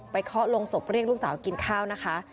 เคาะลงศพเรียกลูกสาวกินข้าวนะคะ